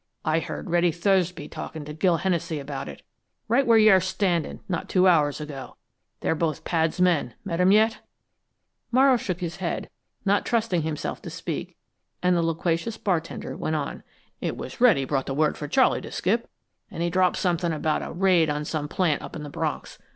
I heard Reddy Thursby talkin' to Gil Hennessey about it, right where you're standin', not two hours ago. They're both Pad's men met 'em yet?" Morrow shook his head, not trusting himself to speak, and the loquacious bartender went on. "It was Reddy brought the word for Charley to skip, and he dropped somethin' about a raid on some plant up in the Bronx.